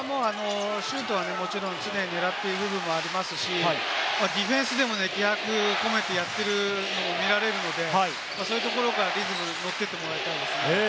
シュートはもちろん常に狙っている部分もありますし、ディフェンスでも気迫を込めてやっているのも見られるので、そういうところからリズムを持っていってもらいたいですね。